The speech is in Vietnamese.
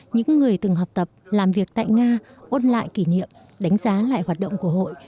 những người từng học tập làm việc tại nga ôn lại kỷ niệm đánh giá lại hoạt động của hội